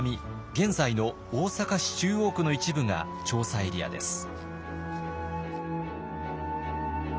現在の大阪市中央区の一部が調査エリアです。